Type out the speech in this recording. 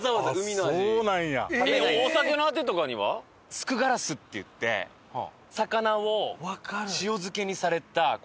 スクガラスっていって魚を塩漬けにされたこんなちっちゃい。